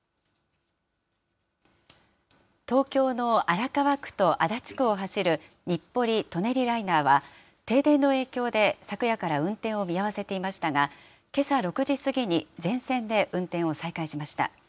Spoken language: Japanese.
東京の荒川区と足立区を走る日暮里・舎人ライナーは停電の影響で昨夜から運転を見合わせていましたが、けさ６時過ぎに全線で運転を再開しました。